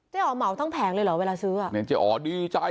เจ๊อ๋อเหมาทั้งแผงเลยเหรอเวลาซื้อ